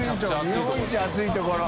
日本一暑いところ。